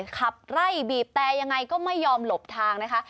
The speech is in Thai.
ขับไล่บีบแต่ยังไงก็ไม่ยอมหลบทางนะคะ